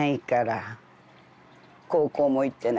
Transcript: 高校も行ってないし。